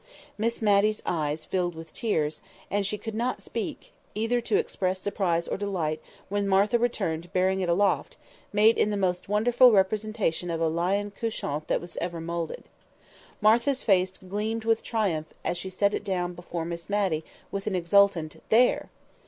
Miss Matty's eyes filled with tears, and she could not speak, either to express surprise or delight, when Martha returned bearing it aloft, made in the most wonderful representation of a lion couchant that ever was moulded. Martha's face gleamed with triumph as she set it down before Miss Matty with an exultant "There!"